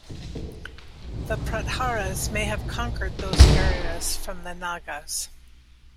The Pratiharas may have conquered these areas from the nagas.